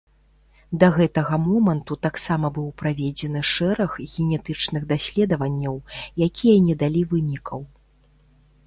Да гэтага моманту таксама быў праведзены шэраг генетычных даследаванняў, якія не далі вынікаў.